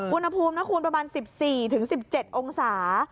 อุณหภูมินะคุณประมาณ๑๔๑๗องศา